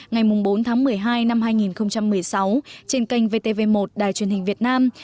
ngày bốn tháng một mươi hai năm hai nghìn một mươi sáu trên kênh vtv một đài truyền hình việt nam